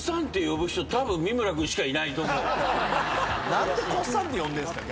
何で越っさんって呼んでるんすか？